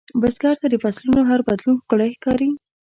بزګر ته د فصلونـو هر بدلون ښکلی ښکاري